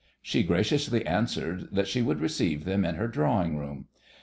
She graciously answered that she would receive them in her drawing room.